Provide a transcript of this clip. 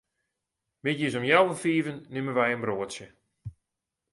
Middeis om healwei fiven nimme wy in broadsje.